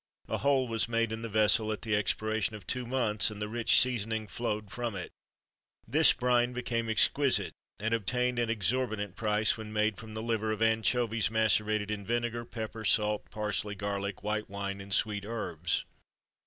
A hole was made in the vessel at the expiration of two months, and the rich seasoning flowed from it.[XXIII 28] This brine became exquisite, and obtained an exorbitant price when made from the liver of anchovies macerated in vinegar, pepper, salt, parsley, garlic, white wine, and sweet herbs.